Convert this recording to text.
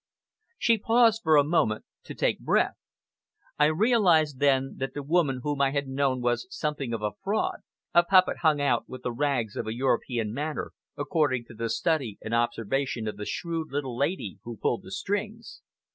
She paused for a moment to take breath. I realized then that the woman whom I had known was something of a fraud, a puppet hung out with the rags of a European manner, according to the study and observation of the shrewd, little lady who pulled the strings.